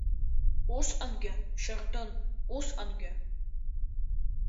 Усҟангьы, Шьардын, усҟангьы?